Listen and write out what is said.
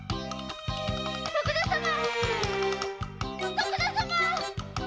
徳田様！